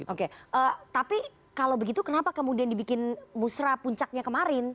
oke tapi kalau begitu kenapa kemudian dibikin musra puncaknya kemarin